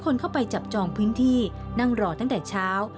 นั่งรอตั้งแต่เช้า